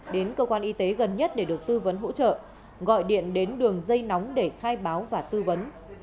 đến cơ quan y tế gần nhất để được tư vấn hỗ trợ gọi điện đến đường dây nóng để khai báo và tư vấn